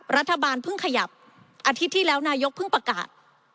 รัฐบาลเพิ่งขยับอาทิตย์ที่แล้วนายกเพิ่งประกาศ